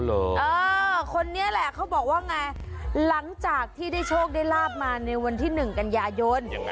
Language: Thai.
เออคนนี้แหละเขาบอกว่าไงหลังจากที่ได้โชคได้ลาบมาในวันที่๑กันยายน